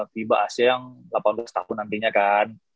fiba asia yang delapan belas tahun nantinya kan